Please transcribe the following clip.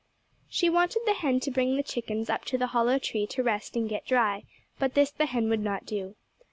She wanted the hen to bring the chickens up to the hollow tree to rest and get dry, but this the hen would not do.